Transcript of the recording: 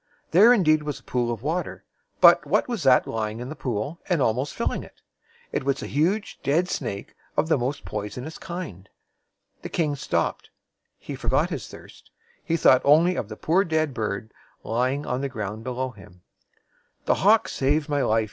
There indeed was a pool of water; but what was that lying in the pool, and almost filling it? It was a huge, dead snake of the most poi son ous kind. The king stopped. He forgot his thirst. He thought only of the poor dead bird lying on the ground below him. "The hawk saved my life!"